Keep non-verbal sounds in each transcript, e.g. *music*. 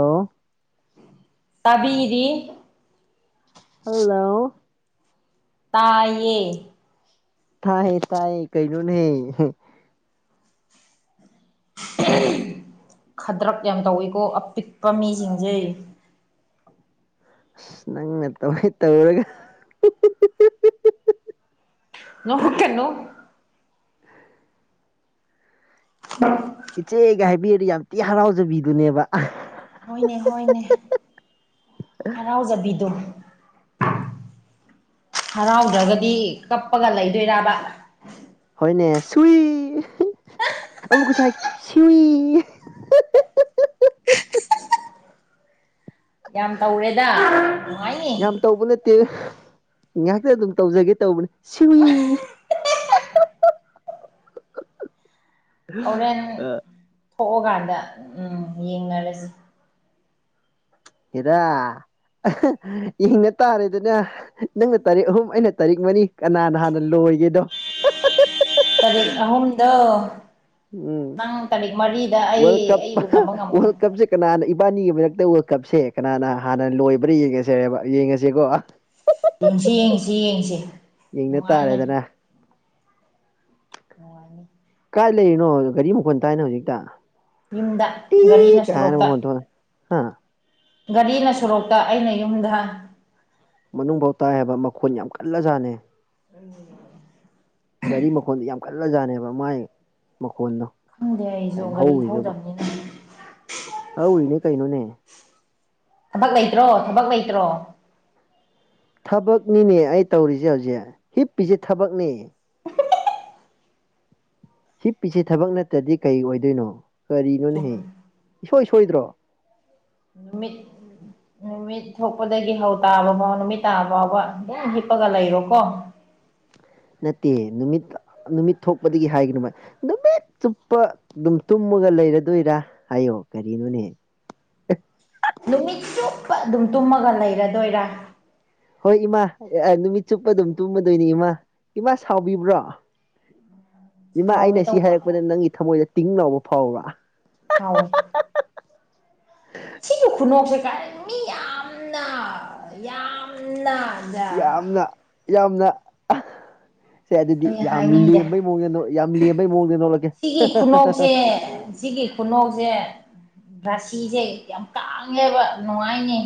ꯑꯣ ꯇꯥꯕꯤꯔꯤ ꯍꯜꯂꯣ ꯇꯥꯏꯌꯦ ꯊꯥꯏꯌꯦ ꯇꯥꯏꯌꯦ ꯀꯩꯅꯣꯅꯦ ꯈꯗ꯭ꯔꯛ ꯌꯥꯝ ꯇꯧꯋꯤꯀꯣ ꯑꯄꯤꯛꯄ ꯃꯤꯖꯤꯡꯖꯦ ꯑꯁ ꯅꯪꯅ ꯇꯧꯒꯦ ꯇꯧꯔꯒ ꯅꯣꯛꯀꯅꯨ *inaudible* ꯏꯆꯦꯒ ꯍꯥꯏꯕꯤꯔꯗꯤ ꯌꯥꯝ ꯊꯤ ꯍꯔꯥꯎꯖꯕꯤꯗꯨꯅꯦꯕ ꯍꯣꯏꯅꯦ ꯍꯣꯏꯅꯦ ꯍꯔꯥꯎꯖꯕꯤꯗꯣ ꯍꯔꯥꯎꯗ꯭ꯔꯒꯗꯤ ꯀꯞꯄꯒ ꯂꯩꯗꯣꯏꯔꯕ ꯍꯣꯏꯅꯦ ꯁꯨꯏ ꯑꯃꯨꯛꯀꯁꯨ ꯍꯥꯏꯒꯦ ꯁꯤꯋꯤ ꯌꯥꯝ ꯇꯧꯔꯦꯗ ꯅꯨꯡꯉꯥꯏꯅꯤ ꯎꯝ ꯇꯧꯕ ꯅꯠꯇꯦ ꯉꯩꯍꯥꯛꯇ ꯑꯗꯨꯝ ꯇꯧꯖꯒꯦ ꯇꯧꯕꯅꯦ ꯁꯨꯏ ꯍꯧꯔꯦꯟ ꯑ ꯊꯣꯛꯑꯀꯥꯟꯗ ꯎꯝ ꯌꯦꯡꯅꯔꯖꯤ ꯍꯦꯔꯥ ꯌꯦꯡꯙ ꯇꯥꯔꯦꯗꯅ ꯅꯪꯅ ꯇꯥꯔꯤꯛ ꯑꯍꯨꯝ ꯑꯩꯅ ꯇꯥꯔꯤꯛ ꯃꯔꯤ ꯀꯅꯥꯅ ꯍꯥꯟꯅ ꯂꯣꯏꯒꯦꯗꯣ ꯇꯔꯤꯛ ꯑꯍꯨꯝꯗꯣ ꯎꯝ ꯅꯪ ꯇꯥꯔꯤꯛ ꯃꯔꯤꯗ ꯑꯩ ꯋꯥꯔꯜ ꯀꯞ ꯑꯩ ꯎꯅꯕ ꯉꯝꯃꯣꯏ ꯋꯥꯔꯜ ꯀꯞꯁꯦ ꯀꯅꯥꯅ ꯏꯕꯥꯅꯤꯒꯤ ꯃꯔꯛꯇ ꯋꯥ ꯀꯞꯁꯦ ꯀꯅꯥꯅ ꯍꯥꯟꯅ ꯂꯣꯏꯕ꯭ꯔꯥ ꯌꯦꯡꯉꯁꯔꯦꯕ ꯌꯦꯡꯉꯁꯤꯀꯣ ꯌꯦꯡꯁꯤ ꯌꯦꯡꯁꯤ ꯌꯦꯡꯁꯤ ꯌꯦꯡꯅ ꯅꯨꯡꯉꯥꯏꯅꯤ ꯇꯥꯔꯦꯗꯅ ꯅꯨꯡꯉꯥꯏꯅꯤ ꯀꯥꯏ ꯂꯩꯔꯤꯅꯣ ꯒꯥꯔꯤ ꯃꯈꯣꯟ ꯇꯥꯏꯅ ꯍꯧꯖꯤꯛꯇ ꯌꯨꯝꯗ ꯇꯤ ꯒꯥꯔꯤꯅ ꯀꯥꯏꯅ ꯁꯔꯣꯛꯇ ꯃꯈꯣꯟ ꯊꯣꯛꯑꯦ ꯍꯥ ꯒꯥꯔꯤꯅ ꯁꯣꯔꯣꯛꯇ ꯑꯩꯅ ꯌꯨꯝꯗ ꯃꯅꯨꯡꯕꯧ ꯇꯥꯏ ꯍꯥꯏꯕ ꯃꯈꯣꯟ ꯌꯥꯝ ꯀꯜꯂꯖꯥꯠꯅꯦ ꯎꯝ ꯒꯥꯔꯤ ꯃꯈꯣꯟ ꯌꯥꯝ ꯀꯜꯂꯖꯥꯠꯅꯦꯕ ꯃꯥꯏ ꯃꯈꯣꯟꯗꯣ ꯈꯪꯗꯦ ꯌꯥꯝ ꯑꯩꯖꯨ ꯒꯥꯔꯤ ꯍꯧꯔꯤꯗꯨꯕ ꯊꯧꯗꯝꯅꯤꯅ ꯍꯧꯔꯤꯅꯦ ꯀꯩꯅꯣꯅꯦ ꯊꯕꯛ ꯂꯩꯇ꯭ꯔꯣ ꯊꯕꯛ ꯂꯩꯇ꯭ꯔꯣ ꯊꯕꯛꯅꯤꯅꯦ ꯑꯩ ꯇꯧꯔꯤꯖꯦ ꯍꯧꯖꯤꯛ ꯍꯤꯞꯄꯤꯖꯦ ꯊꯕꯛꯅꯦ ꯍꯤꯞꯄꯤꯖꯦ ꯊꯕꯛ ꯅꯠꯇ꯭ꯔꯗꯤ ꯀꯩ ꯑꯣꯏꯗꯣꯏꯅꯣ ꯁꯨꯝ ꯀꯔꯤꯅꯣꯅꯦꯍꯦ ꯏꯁꯣꯏ ꯁꯣꯏꯗ꯭ꯔꯣ ꯅꯨꯃꯤꯠ ꯅꯨꯃꯤꯠ ꯊꯣꯛꯄꯗꯒꯤ ꯍꯧ ꯇꯥꯕ ꯐꯥꯎ ꯅꯨꯃꯤꯠ ꯇꯥꯕ ꯐꯥꯎꯕ ꯑꯗꯨꯝ ꯍꯤꯞꯄꯒ ꯂꯩꯔꯣꯀꯣ ꯅꯠꯇꯦ ꯅꯨꯃꯤꯠ ꯅꯨꯃꯤꯠ ꯊꯣꯛꯄꯗꯒꯤ ꯍꯥꯏꯒꯅꯣꯕ ꯅꯨꯃꯤꯠꯆꯨꯞꯄ ꯑꯗꯨꯝ ꯇꯨꯝꯃꯒ ꯂꯩꯔꯗꯣꯏꯔꯥ ꯍꯥꯏꯌꯣ ꯀꯔꯤꯅꯣꯅꯦ ꯅꯨꯃꯤꯠ ꯆꯨꯞꯄ ꯑꯗꯨꯝ ꯇꯨꯝꯃꯒ ꯂꯩꯔꯗꯣꯏꯔꯥ ꯍꯣꯏ ꯏꯃꯥ ꯑꯥ ꯅꯨꯃꯤꯠ ꯆꯨꯞꯄ ꯑꯗꯨꯝ ꯇꯨꯝꯃꯗꯣꯏꯅꯤ ꯏꯃꯥ ꯏꯃꯥ ꯁꯥꯎꯕꯤꯕ꯭ꯔꯣ *inaudible* ꯏꯃꯥ ꯁꯥꯎꯒꯦ ꯑꯩꯅ ꯁꯤ ꯇꯧꯕ ꯍꯥꯏꯔꯛꯄꯗ ꯅꯪꯒꯤ ꯊꯃꯣꯏꯗ ꯇꯤꯡ ꯉꯥꯎꯕ ꯐꯥꯎꯕ꯭ꯔꯥ ꯐꯥꯎꯋꯦ ꯁꯤꯒꯤ ꯈꯨꯅꯣꯛꯁꯦ ꯀꯥꯏ ꯃꯤ ꯌꯥꯝꯅ ꯌꯥꯝꯅ ꯌꯥꯝꯅ ꯌꯥꯝꯅ ꯑ ꯁꯦ ꯑꯗꯨꯗꯤ ꯑꯩ ꯌꯥꯝ ꯍꯥꯏꯅꯤꯡꯗꯦ ꯂꯦꯝꯕꯩ ꯃꯋꯣꯡꯗ ꯌꯥꯝ ꯂꯦꯝꯕꯩ ꯃꯋꯣꯡꯗ ꯅꯣꯛꯂꯛꯀꯦ ꯍꯥ ꯍꯥ ꯍꯥ ꯍꯦ ꯁꯤꯒꯤ ꯈꯨꯅꯣꯛꯁꯦ ꯔꯥꯁꯤꯖꯦ ꯌꯥꯝ ꯇꯥꯡꯉꯦꯕ ꯅꯨꯡꯉꯥꯏꯅꯤ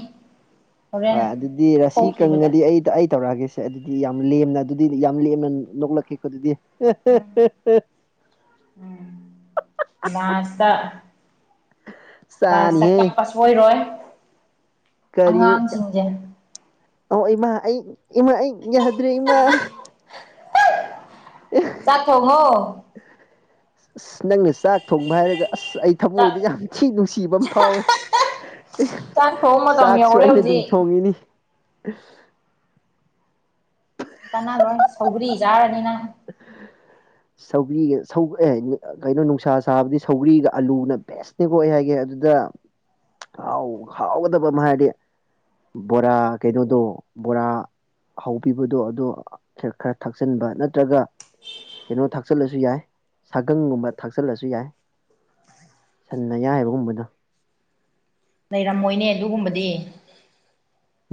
ꯍꯣꯔꯦꯟ ꯍꯣꯏ ꯑꯗꯨꯗꯤ ꯔꯁꯤ ꯊꯣꯛꯈꯤꯕꯗ ꯀꯪꯉꯗꯤ ꯑꯩ ꯑꯩ ꯇꯧꯔꯛꯑꯒꯦꯁꯦ ꯁꯦ ꯑꯗꯨꯗꯤ ꯌꯥꯝ ꯂꯦꯝꯅ ꯑꯗꯨꯗꯤ ꯌꯥꯝ ꯂꯦꯝꯅ ꯅꯣꯛꯂꯛꯀꯦꯀꯣ ꯑꯗꯨꯗꯤ ꯍꯥ ꯍꯥ ꯎꯝ ꯍꯥ ꯍꯥ ꯂꯥꯁꯇ ꯂꯥꯁꯇ ꯆꯥꯅꯤꯍꯦ ꯀꯥꯞꯄ ꯁꯣ ꯁꯣꯏꯔꯣꯏ ꯀꯔꯤꯅꯣ ꯑꯉꯥꯡꯁꯤꯡꯁꯦ ꯑꯣ ꯏꯃꯥ ꯑꯩ ꯏꯃꯥ ꯑꯩ ꯌꯥꯗ꯭ꯔꯦ ꯏꯃꯥ ꯑ ꯆꯥꯛ ꯊꯣꯡꯉꯣ ꯑꯁ ꯅꯪꯅ ꯆꯥꯛ ꯊꯣꯡꯕ ꯍꯥꯏꯔꯒ ꯑꯁ ꯑꯩ ꯆꯥꯛ ꯊꯃꯣꯏꯗ ꯌꯥꯝ ꯊꯤ ꯅꯨꯡꯁꯤꯕ ꯑꯃ ꯐꯥꯎꯋꯦ ꯑꯍ ꯆꯥꯛ ꯊꯣꯡ ꯃꯇꯝ ꯆꯥꯛꯁꯨ ꯌꯧꯔꯦ ꯑꯩꯅ ꯑꯗꯨꯝ ꯍꯧꯖꯤꯛ ꯊꯣꯡꯉꯤꯅꯤ ꯀꯅꯥꯔꯣꯏ ꯁꯧꯒ꯭ꯔꯤ ꯆꯥꯔꯅꯤ ꯅꯪ ꯁꯧꯒ꯭ꯔꯤꯒ ꯁꯧ ꯑꯦ ꯀꯩꯅꯣ ꯅꯨꯡꯁꯥ ꯁꯥꯕꯗꯤ ꯁꯧꯒ꯭ꯔꯤꯒ ꯑꯥꯂꯨꯅ ꯕꯦꯁ ꯀꯣ ꯑꯩ ꯍꯥꯏꯒꯦ ꯑꯗꯨꯗ ꯍꯥꯎ ꯍꯥꯎꯒꯗꯕꯃ ꯍꯥꯏꯔꯗꯤ ꯕꯣꯔꯥ ꯀꯩꯅꯣꯗꯣ ꯕꯣꯔꯥ ꯍꯧꯕꯤꯕꯗꯣ ꯑꯗꯣ ꯈꯦꯔ ꯈꯔ ꯊꯛꯆꯥꯟꯕ ꯅꯠꯇ꯭ꯔꯒ ꯀꯩꯅꯣ ꯊꯥꯛꯆꯜꯂꯁꯨ ꯌꯥꯏ ꯁꯥꯒꯪꯒꯨꯝꯕ ꯊꯥꯛꯆꯜꯂꯁꯨ ꯌꯥꯏ ꯁꯟ‌ ꯑꯌꯥꯏꯕꯒꯨꯝꯕꯗꫭ ꯂꯩꯔꯝꯃꯣꯏꯅꯦ ꯑꯗꯨꯒꯨꯝꯕꯗꯤ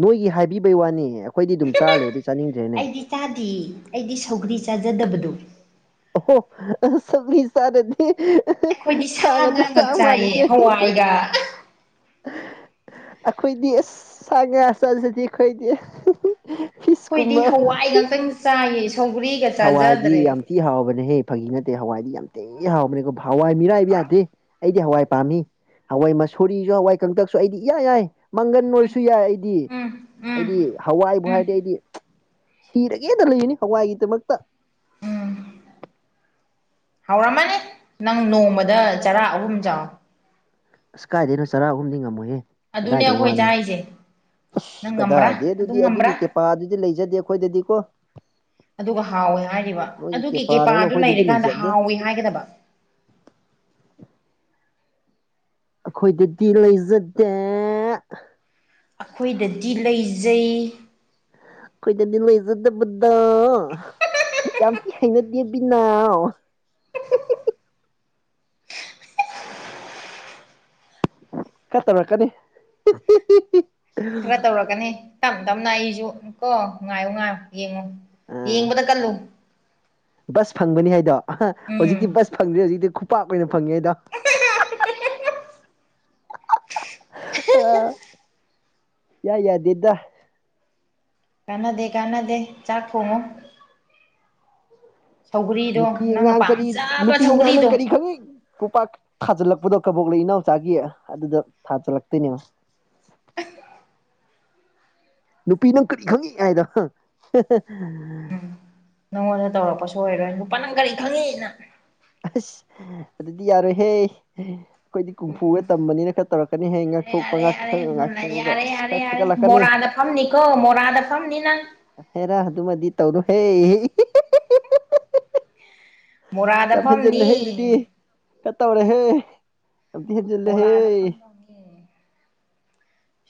ꯅꯣꯏꯒꯤ ꯍꯥꯏꯕꯤꯕꯩ ꯋꯥꯅꯤ ꯑꯩꯈꯣꯏꯗꯤ ꯑꯗꯨꯝ ꯆꯥꯔ ꯂꯩꯕꯩ ꯆꯥꯅꯤꯡꯗ꯭ꯔꯦꯅꯦ ꯏꯆꯥꯥꯗꯤꯌꯦ ꯑꯩꯗꯤ ꯁꯧꯒꯔꯤ ꯆꯥꯖꯗꯕꯗꯣ ꯑꯣꯍꯣ ꯁꯧꯒꯔꯤ ꯆꯥꯗꯔꯗꯤ ꯑꯩꯈꯣꯏꯗꯤ ꯁꯥ ꯁꯥꯒꯗ ꯉꯥ ꯆꯥ ꯉꯥꯛ ꯆꯥꯏꯌꯦ ꯃꯥꯜꯂꯤꯅꯦ ꯍꯋꯥꯏꯒ ꯑꯩꯈꯣꯏꯗꯤ ꯑꯁ ꯁꯥ ꯉꯥ ꯆꯥꯖꯗꯦ ꯑꯩꯈꯣꯏꯗꯤ ꯑꯩꯈꯣꯏꯗꯤ ꯐꯤꯁꯀꯨꯝꯕ ꯍꯋꯥꯏꯉꯥꯛꯇꯪ ꯆꯥꯏꯌꯦ ꯁꯧꯒꯔꯤꯒ ꯑꯁ ꯆꯥꯖꯗ꯭ꯔꯦ ꯍꯋꯥꯏꯗꯤ ꯌꯥꯝ ꯊꯤ ꯍꯥꯎꯕꯅꯦꯍꯦ ꯐꯥꯒꯤ ꯅꯠꯇꯦ ꯍꯋꯥꯏꯗꯤ ꯌꯥꯝ ꯊꯤꯅ ꯍꯥꯎꯕꯅꯦꯀꯣ ꯍꯋꯥꯏ ꯃꯤꯔꯥꯏꯕ ꯍꯥꯎꯔꯝ ꯌꯥꯗꯦ ꯑꯩꯗꯤ ꯍꯋꯥꯏ ꯄꯥꯝꯃꯤ ꯍꯋꯥꯏ ꯃꯁꯣꯔꯤꯖꯨ ꯍꯋꯥꯏ ꯀꯪꯇꯛꯁꯨ ꯑꯩꯗꯤ ꯏꯌꯥ ꯌꯥꯏ ꯃꯪꯒꯟ ꯑꯣꯏꯔꯁꯨ ꯌꯥꯏ ꯑꯩꯗꯤ ꯎꯝ ꯎꯝ ꯑꯩꯗꯤ ꯍꯋꯥꯏꯕꯨ ꯎꯝ ꯍꯥꯏꯔꯗꯤ ꯑꯩꯗꯤ ꯁꯤꯔꯒꯦ ꯂꯩꯅꯤ ꯍꯋꯥꯏꯒꯤꯗꯃꯛꯇꯥ ꯎꯝ ꯍꯥꯎꯔꯝꯃꯅꯤ ꯅꯪ ꯅꯣꯡꯃꯗ ꯆꯔꯥ ꯑꯍꯨꯝ ꯆꯥꯎ ꯑꯁ ꯀꯥꯏꯗꯅꯣ ꯆꯔꯥ ꯑꯍꯨꯝꯗꯤ ꯉꯝꯃꯣꯏꯍꯦ ꯑꯗꯨꯅꯦ ꯀꯗꯥꯏꯗꯩ ꯑꯩꯈꯣꯏ ꯋꯥꯅꯣ ꯆꯥꯏꯖꯦ ꯑꯁ ꯀꯗꯥꯏꯗꯩ ꯑꯗꯨꯗꯤ ꯑꯗꯨꯒꯤ ꯀꯦꯄꯥ ꯗꯨꯗꯤ ꯂꯩꯖꯗꯦ ꯑꯩꯈꯣꯏꯗꯗꯤꯀꯣ ꯑꯗꯨꯒ ꯍꯥꯎꯋꯦ ꯍꯥꯏꯔꯤꯕ ꯅꯣꯏꯒꯤ ꯑꯗꯨꯒꯤ ꯀꯦꯄꯥꯗꯧꯅ ꯀꯦꯄꯥꯗꯨ ꯑꯩꯈꯣꯏꯗꯗꯤ ꯂꯩꯔꯀꯥꯟꯗ ꯂꯩꯖꯗꯦ ꯍꯥꯎꯋꯦ ꯍꯥꯏꯒꯗꯕ ꯑꯩꯈꯣꯏꯗꯗꯤ ꯂꯩꯖꯗꯦ ꯑꯩꯈꯣꯏꯗꯗꯤ ꯑꯩꯈꯣꯏꯗꯗꯤ ꯂꯩꯖꯩ ꯑꯩꯈꯣꯏꯗꯗꯤ ꯂꯩꯖꯗꯕꯗꫭ ꯌꯥꯝ ꯊꯤ ꯍꯩꯅꯗꯦ ꯕꯤꯅꯥꯎ ꯈꯔ ꯇꯧꯔꯛꯀꯅꯤ ꯈꯔ ꯇꯧꯔꯛꯀꯅꯤ ꯇꯞ ꯇꯞꯅ ꯑꯩꯖꯨ ꯀꯣ ꯉꯥꯏꯌꯨ ꯉꯥꯏꯌꯨ ꯌꯦꯡꯉꯣ ꯑ ꯌꯦꯡꯕꯗ ꯀꯜꯂꯨ ꯕꯁ ꯐꯪꯕꯅꯤ ꯍꯥꯏꯗꯣ ꯎꯝ ꯍꯧꯖꯤꯛꯇꯤ ꯕꯁ ꯐꯪꯗꯦ ꯍꯧꯖꯤꯛꯇꯤ ꯈꯨꯄꯥꯛ ꯑꯣꯏꯅ ꯐꯪꯉꯦꯗ ꯏꯌꯥ ꯌꯥꯗꯦꯗ ꯀꯥꯟꯅꯗꯦ ꯀꯥꯟꯅꯗꯦ ꯆꯥꯛ ꯊꫭꯡꯉꯣ ꯁꯧꯒ꯭ꯔꯤꯗꯣ ꯅꯨꯄꯤ ꯅꯪꯅ ꯑꯉꯥꯡ ꯀꯔꯤ ꯄꯥꯝꯖꯕ ꯅꯨꯄꯤ ꯑꯉꯥꯡ ꯅꯪ ꯁꯧꯒ꯭ꯔꯤꯗꯣ ꯀꯔꯤ ꯈꯪꯉꯤ ꯈꯨꯄꯥꯛ ꯊꯥꯖꯤꯜꯂꯛꯄꯗꯣ ꯀꯕꯣꯛ ꯂꯩ ꯏꯅꯥꯎꯆꯥꯒꯤ ꯑꯗꯨꯗ ꯊꯥꯖꯜꯂꯛꯇꯣꯏꯅꯦꯕ ꯅꯨꯄꯤ ꯅꯪ ꯀꯔꯤ ꯈꯪꯉꯤ ꯍꯥꯏꯗꫭ ꯎꯝ ꯅꯪꯉꯣꯟꯗ ꯇꯧꯔꯛꯄ ꯁꫭꯏꯔꯣꯏ ꯅꯨꯄꯥ ꯅꯪ ꯀꯔꯤ ꯈꯪꯉꯤꯅ ꯑꯁ ꯑꯗꯨꯗꯤ ꯌꯥꯔꯣꯏꯍꯦ ꯑꯩꯈꯣꯏꯗꯤ ꯀꯨꯡꯐꯨꯒ ꯇꯝꯕꯅꯤꯅ ꯈꯔ ꯇꯧꯔꯛꯀꯅꯤꯍꯦ ꯌꯥꯔꯦ ꯉꯥꯛꯊꯣꯛꯄ ꯌꯥꯔꯦ ꯉꯥꯛ ꯌꯥꯔꯦ ꯁꯟ ꯌꯥꯔꯦ ꯑꯁ ꯌꯥꯔꯦ ꯈꯔ ꯌꯥꯔꯦ ꯊꯦꯀꯠꯂꯛꯀꯅꯤ ꯃꯣꯔꯥꯗ ꯐꯝꯅꯤꯀꯣ ꯃꯣꯔꯥꯗ ꯐꯝꯅꯤ ꯅꯪ ꯍꯦꯔꯥ ꯑꯗꯨꯃꯗꯤ ꯇꯧꯔꯣꯍꯦ ꯃꯣꯔꯥꯗ ꯌꯥꯝ ꯐꯝꯅꯤ ꯍꯦꯟꯖꯤꯜꯂꯦꯍꯦ ꯑꯗꯨꯗꯤ ꯈꯔ ꯇꯧꯔꯍꯦ ꯕꯣꯔꯥꯗ ꯐꯝꯗꯧꯅꯤ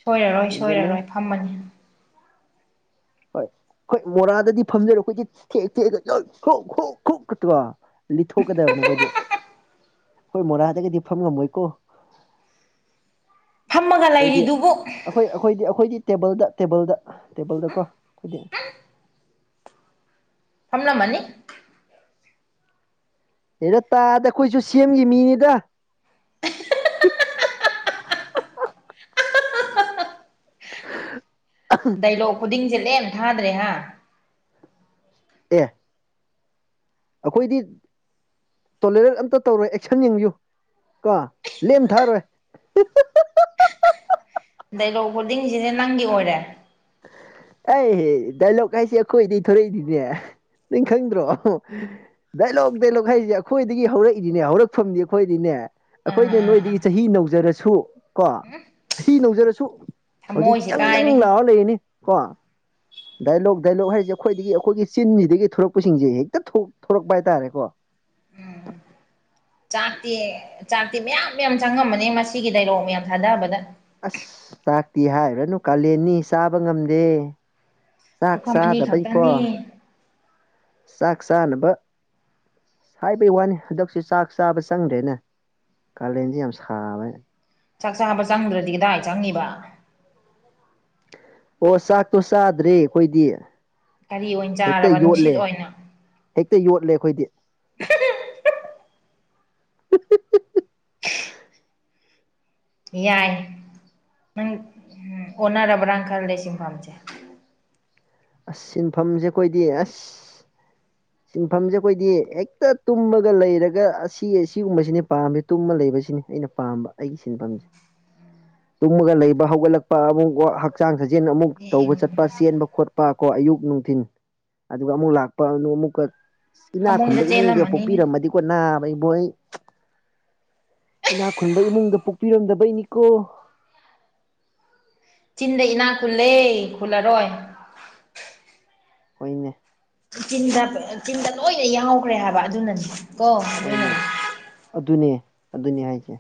ꯁꯣꯏꯔꯔꯣꯏ ꯍꯦꯟꯖꯜꯂꯦꯍꯦ ꯁꯣꯏꯔꯔꯣꯏ ꯐꯝꯃꯅꯤ ꯍꯣꯏ ꯃꯣꯔꯥꯗꯗꯤ ꯐꯝꯖꯔꯣ ꯑꯩꯈꯣꯏꯁꯦ ꯊꯦꯛ ꯊꯦꯛꯑ *unintelligible* ꯂꯤꯠꯊꯣꯛꯀꯗꯕꯅꯤ ꯑꯩꯈꯣꯏꯗꯤ ꯑꯩꯈꯣꯏ ꯃꯣꯔꯥꯗꯒꯗꯤ ꯐꯝ ꯉꯝꯃꯣꯏꯀꯣ ꯐꯝꯃꯒ ꯂꯩꯔꯤꯗꯨꯕꯨ ꯍꫭꯏ ꯑꯩꯈꯣꯏꯗꯤ ꯑꯩꯈꯣꯏꯗꯤ ꯇꯦꯕꯜꯗ ꯇꯦꯕꯜꯗ ꯇꯦꯕꯜꯗꯀꯣ ꯑꯩꯈꯣꯏꯗꯤ ꯐꯝꯂꯝꯃꯅꯤ ꯍꯦꯔꯥ ꯇꯥꯗ ꯑꯩꯈꯣꯏꯖꯨ ꯁꯦꯝꯒꯤ ꯃꯤꯅꯤꯗ *unintelligible* ꯗꯥꯏꯂꯣꯛ ꯈꯨꯗꯤꯡꯖꯦ ꯂꯦꯝ ꯊꯥꯗ꯭ꯔꯦ ꯍꯥ ꯑꯦ ꯑꯈꯣꯏꯗꯤ ꯇꯣꯂꯔꯦꯠ ꯑꯝꯇ ꯇꯧꯔꯣꯏ ꯑꯦꯛꯁꯟ ꯌꯦꯡꯕꯤꯌꯨ ꯀꯣ ꯂꯦꯝ ꯊꯥꯔꯣꯏ ꯗꯥꯏꯂꯣꯛ ꯕꯣꯔꯗꯤꯡꯖꯤꯅꯦ ꯅꯪꯒꯤ ꯑꯣꯏꯔꯦ ꯑꯩ ꯗꯥꯏꯂꯣꯛ ꯍꯥꯏꯖꯦ ꯑꯩꯈꯣꯏꯗꯩ ꯊꯣꯂꯛꯏꯅꯤꯅꯦ ꯅꯤꯡ ꯈꯪꯗ꯭ꯔꯣ ꯗꯥꯏꯂꯣꯛ ꯗꯥꯏꯂꯣꯛ ꯍꯥꯏꯖꯦ ꯑꯩꯈꯣꯏꯗꯒꯤ ꯍꯧꯔꯛꯏꯅꯤꯅꯦ ꯍꯧꯔꯛꯐꯝꯗꯤ ꯑꯩꯈꯣꯏꯗꯤꯅꯦ ꯑꯥ ꯑꯩꯈꯣꯏꯅ ꯑꯥ ꯑꯥ ꯅꯣꯏꯗꯒꯤ ꯆꯍꯤ ꯅꯧꯖꯔꯁꯨ ꯀꯣ ꯆꯍꯤ ꯅꯧꯖꯔꯁꯨ ꯍꯧꯖꯤꯛ ꯊꯃꯣꯏꯁꯦ ꯌꯪ ꯌꯪ ꯀꯥꯏꯔꯦꯍꯦ ꯂꯥꯎꯔ ꯂꯩꯔꯤꯅꯤ ꯀꯣ ꯗꯥꯏꯂꯣꯛ ꯗꯥꯏꯂꯣꯛ ꯍꯥꯏꯔꯤꯖꯦ ꯑꯩꯈꯣꯏꯗꯒꯤ ꯑꯩꯈꯣꯏꯒꯤ ꯆꯤꯟꯖꯤꯗꯒꯤ ꯊꯣꯔꯛꯄꯁꯤꯡꯁꯦ ꯍꯦꯛꯇ ꯊꯣꯔꯛꯄ ꯍꯥꯏꯇꯥꯔꯦꯀꯣ ꯆꯥꯛꯇꯤ ꯆꯥꯛꯇꯤ ꯃꯌꯥꯝ ꯃꯌꯥꯝ ꯆꯪꯉꯝꯃꯅꯦ ꯃꯁꯤꯒꯤ ꯗꯥꯏꯂꯣꯛ ꯃꯌꯥꯝ ꯊꯥꯗꯕꯗ ꯑꯁ ꯆꯥꯛꯇꯤ ꯍꯥꯏꯔꯨꯔꯅꯨ ꯀꯥꯂꯦꯟꯅꯤ ꯆꯥꯕ ꯉꯝꯗꯦ ꯆꯥꯛ ꯄꯨꯈꯝ ꯑꯅꯤ ꯆꯥꯗꯕꯩꯀꯣ ꯈꯛꯇꯅꯤ ꯆꯥꯛ ꯆꯥꯅꯕ ꯍꯥꯏꯕꯩ ꯋꯥꯅꯤ ꯍꯟꯗꯛꯁꯦ ꯆꯥꯛ ꯆꯥꯕ ꯆꯪꯗꯦꯅꯦ ꯀꯥꯂꯦꯟꯖꯦ ꯌꯥꯝ ꯁꯥꯕꯩ ꯆꯥꯛ ꯆꯥꯕ ꯆꯪꯗ꯭ꯔꯗꯤ ꯀꯗꯥꯏ ꯆꯪꯉꯤꯕ ꯍꯣ ꯆꯥꯛꯇꯣ ꯆꯥꯗ꯭ꯔꯦ ꯑꯩꯈꯣꯏꯗꯤ ꯀꯔꯤ ꯑꯣꯏꯟ ꯍꯦꯛꯇ ꯆꯥꯔꯕ ꯌꯣꯠꯂꯦ ꯅꯨꯡꯁꯤꯠ ꯑꯣꯏꯅ ꯍꯦꯛꯇ ꯌꯣꯠꯂꯦ ꯑꯩꯈꯣꯏꯗꯤ ꯌꯥꯏ ꯅꯪ ꯎꯝ ꯑꯣꯟꯅꯔꯕ꯭ꯔꯥꯟ ꯈꯜꯂꯦ ꯁꯤꯟꯐꯝꯖꯦ ꯑꯁ ꯁꯤꯟꯐꯝꯖꯦ ꯑꯩꯈꯣꯏꯗꯤ ꯑꯁ *inaudible* ꯁꯤꯟꯐꯝꯖꯦ ꯑꯩꯈꯣꯏꯗꯤ ꯍꯦꯛꯇ ꯇꯨꯝꯃꯒ ꯂꯩꯔꯒ ꯑꯁꯤ ꯑꯁꯤꯒꯨꯝꯕꯁꯤꯅꯦ ꯄꯥꯝꯃꯦ ꯇꯨꯝꯃ ꯂꯩꯕꯁꯤꯅꯤ ꯑꯩꯅ ꯄꯥꯝꯕ ꯑꯩꯒꯤ ꯁꯤꯟꯐꯝ *inaudible* ꯇꯨꯝꯃꯒ ꯂꯩꯕ ꯍꯧꯒꯠꯂꯛꯄ ꯑꯃꯨꯛ ꯋꯥꯛ ꯍꯛꯆꯥꯡ ꯁꯥꯖꯦꯜ ꯑꯃꯨꯛ ꯇꯧꯕ ꯆꯠꯄ ꯆꯦꯟꯕ ꯈꯣꯠ ꯄꯥ ꯀꯣ ꯑꯌꯨꯛ ꯅꯨꯡꯊꯤꯟ ꯑꯗꯨꯒ ꯑꯃꯨꯛ ꯂꯥꯛꯄ ꯑꯗꯨ ꯑꯃꯨꯛꯀ ꯏꯅꯥꯛ ꯈꯨꯟꯕ ꯐꯃꯨꯡꯗ ꯏꯃꯨꯡꯗꯒ ꯆꯦꯜꯂꯝꯃꯅꯤꯅꯦ ꯄꯣꯛꯄꯤꯔꯝꯃꯗꯤꯀꯣ ꯅꯥꯕ ꯏꯕꯣ ꯑꯩ ꯏꯅꯥꯛ ꯈꯨꯟꯕ ꯏꯃꯨꯡꯗ ꯄꯣꯛꯄꯤꯔꯝꯗꯕꯩꯅꯤꯀꯣ ꯆꯤꯟꯗ ꯏꯅꯥꯛ ꯈꯨꯜꯂꯦ ꯈꯨꯜꯂꯔꯣꯏ ꯍꯣꯏꯅꯦ ꯆꯤꯟꯗ ꯄꯦ ꯆꯤꯟꯗ ꯂꯣꯏꯅ ꯌꯥꯎꯈ꯭ꯔꯦ ꯍꯥꯏꯕ ꯑꯗꯨꯅꯅꯦ ꯀꯣ ꯍꯣꯏꯅꯦ ꯑꯗꯨꯅꯅꯦ ꯑꯗꯨꯅꯦ ꯑꯗꯨꯅꯦ ꯍꯥꯏꯁꯦ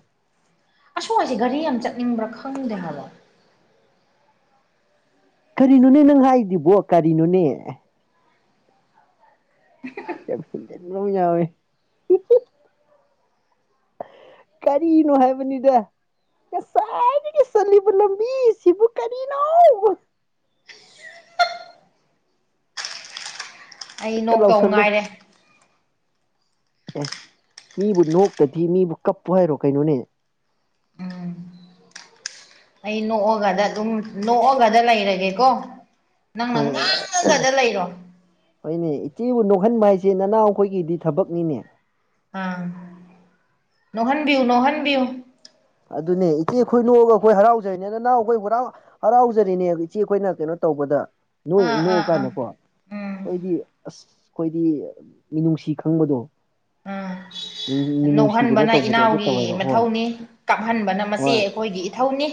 ꯑꯁꯨꯋꯥꯏꯁꯦ ꯒꯥꯔꯤ ꯌꯥꯝ ꯆꯠꯅꯤꯡꯕ꯭ꯔꯥ ꯈꯪꯗꯦ ꯍꯥꯏꯕ ꯀꯔꯤꯅꯣꯅꯦ ꯅꯪ ꯍꯥꯏꯗꯨꯕꯨ ꯀꯔꯤꯅꯣꯅꯦ ꯌꯥꯝ ꯍꯦꯟꯖꯟꯕ ꯑꯝ ꯌꯥꯎꯋꯦ ꯀꯔꯤꯅꯣ ꯍꯥꯏꯕꯅꯤꯗ ꯀꯁꯥꯏꯗꯒꯤ ꯆꯜꯂꯤꯕ ꯂꯝꯕꯤ ꯑꯁꯤꯕꯨ ꯀꯔꯤꯅꯣ ꯑꯩ ꯍꯦꯛꯇ ꯅꯣꯛꯇꯧ ꯂꯥꯎꯁꯜꯂꯨ ꯉꯥꯏꯔꯦ ꯑꯦ ꯃꯤꯕꯨ ꯅꯣꯛꯇꯗꯤ ꯃꯤꯕꯨ ꯀꯞꯄꯨ ꯍꯥꯏꯔꯣ ꯀꯩꯅꯣꯅꯦ ꯎꯝ ꯑꯩ ꯅꯣꯛꯑꯒꯗ ꯑꯗꯨꯝ ꯅꯣꯛꯑꯒꯗ ꯂꯩꯔꯒꯦꯀꯣ ꯅꯪꯅ ꯍꯣꯏ ꯉꯥꯡꯉꯒꯗ ꯂꯩꯔꯣ ꯍꯣꯏꯅꯦ ꯏꯆꯦꯕꯨ ꯅꯣꯛꯍꯟꯕ ꯍꯥꯏꯁꯦ ꯅꯅꯥꯎ ꯑꯩꯈꯣꯏꯒꯤꯗꯤ ꯊꯕꯛꯅꯤꯅꯦ ꯑꯥ ꯅꯣꯛꯍꯟꯕꯤꯌꯨ ꯅꯣꯛꯍꯟꯕꯤꯌꯨ ꯑꯗꯨꯅꯦ ꯏꯆꯦ ꯈꯣꯏ ꯅꯣꯛꯑꯒ ꯑꯩꯈꯣꯏ ꯍꯔꯥꯎꯖꯩꯅꯦ ꯅꯅꯥꯎ ꯑꯩꯈꯣꯏ ꯍꯨꯔꯥꯎ ꯍꯔꯥꯎꯖꯔꯤꯅꯦ ꯏꯆꯦ ꯑꯩꯈꯣꯏꯅ ꯀꯩꯅꯣ ꯇꯧꯕꯗ ꯅꯣꯏ ꯑꯥ ꯑꯥ ꯑꯥ ꯅꯣꯛꯑꯀꯥꯟꯗꯀꯣ ꯎꯝ ꯑꯩꯈꯣꯏꯗꯤ ꯑꯁ ꯑꯩꯈꯣꯏꯗꯤ ꯃꯤꯅꯨꯡꯁꯤ ꯈꯪꯕꯗꯣ ꯎꯝ ꯃꯤ- ꯃꯤꯅꯨꯡꯁꯤ ꯀꯩꯅꯣ ꯅꯣꯛꯍꯟꯕꯅ ꯇꯧꯕꯗꯣ ꯑꯗꯨ ꯏꯅꯥꯎꯒꯤ ꯇꯧꯋꯦꯕ ꯍꯣꯏ ꯃꯊꯧꯅꯤ ꯀꯥꯞꯍꯟꯕꯅ ꯃꯆꯦ ꯍꯣꯏ ꯑꯩꯈꯣꯏꯒꯤ ꯏꯊꯧꯅꯤ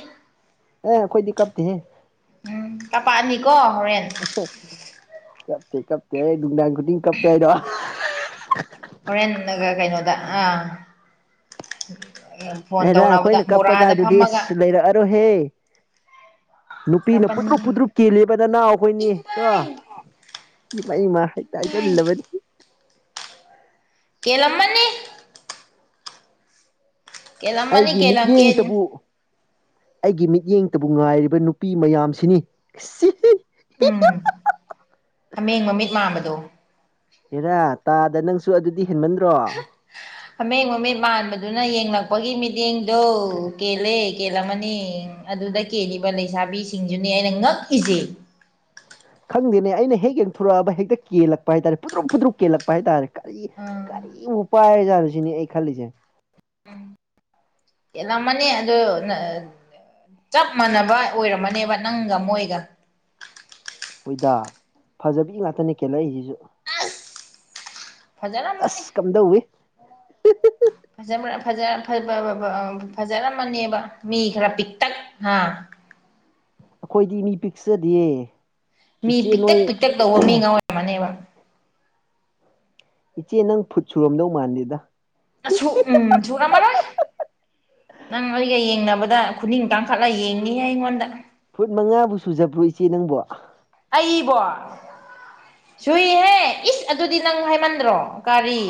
ꯑꯩꯈꯣꯏꯗ ꯀꯞꯇꯦꯍꯦ ꯎꯝ ꯀꯄꯥꯑꯅꯤꯀꯣ ꯍꯣꯔꯦꯟ ꯀꯞꯇꯦ ꯀꯞꯇꯦ ꯑꯩ ꯅꯨꯡꯗꯥꯡ ꯈꯨꯗꯤꯡꯤꯡ ꯀꯞꯄꯦ ꯍꯥꯏꯗꯣ ꯍꯣꯔꯦꯟꯟꯅꯒ ꯀꯩꯅꯣꯗ ꯑꯥ ꯐꯣꯟ ꯇꯧꯅꯕꯗ ꯕꯣꯔꯥꯗ ꯐꯝꯃꯒ ꯍꯩꯔꯛꯑꯔꯣꯏ ꯍꯦ ꯅꯨꯄꯤꯅ ꯀꯥꯞꯄꯅꯤ ꯄꯨꯗ꯭ꯔꯨꯞ ꯄꯨꯠꯇ꯭ꯔꯨꯞ ꯀꯦꯜꯂꯤꯕ ꯅꯅꯥꯎ ꯑꯩꯈꯣꯏꯅꯤ ꯀ ꯏꯃꯥꯏ ꯏꯃꯩꯃ ꯍꯦꯛꯇ ꯍꯥꯏ ꯖꯜꯂꯕꯅꯤ ꯀꯦꯜꯂꯝꯃꯅꯤ ꯀꯦꯜꯂꯝꯃꯅꯤ ꯑꯩꯒꯤ ꯀꯦꯜꯂꯝ ꯀꯦꯟ ꯃꯤꯠꯌꯦꯡꯇꯕꯨ ꯑꯩꯒꯤ ꯃꯤꯠꯌꯦꯡꯇꯕꯨ ꯉꯥꯏꯔꯤꯕ ꯅꯨꯄꯤ ꯃꯌꯥꯝꯁꯤꯅꯤ ꯁꯤ ꯎꯝ ꯍꯥꯃꯦꯡ ꯃꯃꯤꯠ ꯃꯥꯟꯕꯗꯣ ꯍꯦꯔꯥ ꯇꯥꯗ ꯅꯪꯁꯨ ꯑꯗꯨꯗꯤ ꯍꯦꯟꯃꯟꯗ꯭ꯔꯣ ꯍ ꯍꯥꯃꯦꯡ ꯃꯃꯤꯠ ꯃꯥꯟꯕꯗꯨꯅ ꯌꯦꯡꯂꯛꯄꯒꯤ ꯃꯤꯠꯌꯦꯡꯗꯣ ꯀꯦꯜꯂꯦ ꯀꯦꯜꯂꯝꯃꯅꯤ ꯑꯗꯨꯗ ꯀꯦꯜꯂꯤꯕ ꯂꯩꯁꯥꯕꯤꯁꯤꯡꯁꯤꯅꯦ ꯑꯩꯅ ꯉꯛꯏꯁꯦ ꯈꯪꯗꯦꯅꯦ ꯑꯩꯅ ꯍꯦꯛ ꯌꯦꯡꯊꯣꯔꯛꯑꯕ ꯍꯦꯛꯇ ꯀꯦꯜꯂꯛꯄ ꯍꯥꯏꯇꯥꯔꯦ ꯐꯨꯗ꯭ꯔꯨꯛ ꯐꯗ꯭ꯔꯨꯛ ꯀꯦꯜꯂꯛꯄ ꯍꯥꯏꯇꯥꯔꯦ ꯀꯔꯤ ꯑꯥ ꯏꯕꯨ ꯄꯥꯏꯔꯖꯥꯠꯔꯨꯁꯤꯅꯦ ꯑꯩ ꯈꯜꯂꯤꯁꯦ ꯀꯦꯂꯝ ꯃꯅꯤ ꯑꯗꯣ ꯅ ꯆꯞ ꯃꯥꯟꯅꯕ ꯑꯣꯏꯔꯝꯃꯅꯦꯕ ꯅꯪꯒ ꯃꯣꯏꯒ ꯍꯣꯏꯗ ꯐꯖꯕꯤ ꯉꯥꯛꯇꯅꯦ ꯀꯦꯜꯂꯛꯏꯁꯤꯁꯨ ꯐꯖꯔꯝ ꯇꯁ ꯀꯝꯗꯧꯏ ꯐꯖꯕ꯭ꯔꯥ ꯐꯖ *unintelligible* ꯐꯖꯔꯝꯃꯅꯦꯕ ꯃꯤ ꯈꯔ ꯄꯤꯛꯇꯛ ꯍꯥꯥ ꯑꯩꯈꯣꯏꯗꯤ ꯃꯤ ꯄꯤꯛꯆꯗꯦ ꯃꯤ ꯄꯤꯛꯇꯛ ꯄꯤꯛꯇꯛ ꯇꯧꯕ ꯃꯤ ꯉꯥ *unintelligible* ꯑꯣꯏꯔꯝꯃꯅꯦꯕ ꯏꯆꯦ ꯅꯪ ꯐꯨꯠ ꯁꯨꯔꯝꯗꯧ ꯃꯥꯟꯗꯦꯗ ꯑꯁꯨ ꯎꯝ ꯁꯨꯔꯝꯃꯔꯣꯏ ꯅꯪ ꯑꯩꯒ ꯌꯦꯡꯅꯕꯗ ꯈꯨꯅꯤꯡ ꯇꯥꯡꯈꯠꯂꯒ ꯌꯦꯡꯅꯤꯍꯦ ꯑꯩꯉꯣꯟꯗ ꯐꯨꯠ ꯃꯉꯥꯕꯨ ꯁꯨꯖꯕ꯭ꯔꯣ ꯏꯆꯦ ꯅꯪꯕꯣ ꯑꯩꯕꯣ ꯁꯨꯏꯍꯦ ꯏꯁ ꯑꯗꯨꯗꯤ ꯅꯪ ꯍꯥꯏꯃꯟꯗ꯭ꯔꯣ ꯀꯥꯔꯤ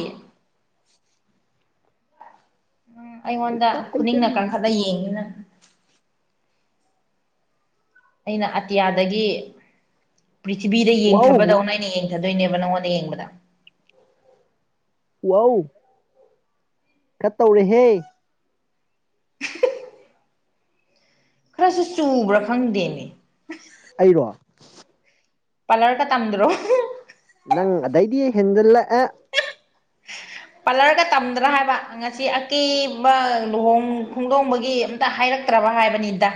ꯎꯝ ꯑꯩꯉꯣꯟꯗ ꯍꯦꯛꯇ ꯈꯨꯅꯤꯡꯅ ꯍꯥꯏꯖꯟꯕꯤꯅꯤ ꯀꯥꯡꯈꯠꯂ ꯌꯦꯡꯉꯤꯅ ꯑꯩꯅ ꯑꯇꯤꯌꯥꯗꯒꯤ ꯄ꯭ꯔꯤꯊꯤꯕꯤꯗ ꯋꯥꯎ ꯌꯦꯡꯊꯕꯗꯧꯅ ꯑꯩꯅ ꯌꯦꯡ ꯊꯗꯣꯏꯅꯦꯕ ꯅꯉꯣꯟꯗ ꯌꯦꯡꯕꯗ ꯋꯥꯎ ꯈꯔ ꯇꯧꯔꯦꯍꯦ ꯈꯔꯁꯨ ꯆꯨꯕ꯭ꯔꯥ ꯈꯪꯗꯦꯃꯦ ꯑꯩꯔꯣ ꯄꯂꯔꯒ ꯇꯝꯗ꯭ꯔꯣ ꯅꯪ ꯑꯗꯩꯗꯤ ꯍꯦꯟꯖꯤꯜꯂꯛ ꯑꯦ ꯄꯂꯔꯒ ꯇꯝꯗ꯭ꯔꯥ ꯍꯥꯏꯕ ꯉꯁꯤ ꯑꯀꯦꯕ ꯂꯨꯍꯣꯡ ꯈꯣꯡꯗꯣꯡꯕꯒꯤ ꯇ ꯍꯥꯏꯔꯛꯇ꯭ꯔꯕ ꯍꯥꯏꯕꯅꯤꯗ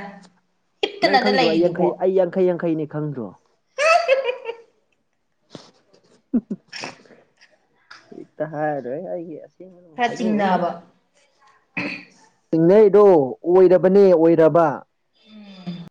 ꯅꯪ ꯍꯤꯞꯇꯅꯗ ꯈꯪꯗ꯭ꯔꯣ ꯑꯩ ꯌꯥꯡꯈꯩ ꯂꯩꯔꯤꯗꯨꯕꯣ ꯑꯩ ꯌꯥꯡꯈꯩ ꯌꯥꯡꯈꯩꯅꯤ ꯈꯪꯗ꯭ꯔꯣ? ꯍꯦꯛꯇ ꯍꯥꯏꯔ ꯂꯣꯏꯔꯦ ꯑꯩꯒꯤ꯫ ꯑꯁꯦꯡꯕ ꯈꯔ ꯍꯥꯏꯗꯣꯛꯑꯅꯨ ꯆꯤꯡꯅꯕ꯫ ꯆꯤꯡꯅꯩꯗꯣ ꯑꯣꯏꯔꯕꯅꯦ ꯑꯣꯏꯔꯕ꯫